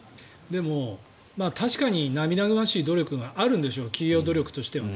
でも、確かに涙ぐましい努力があるんでしょう企業努力としても。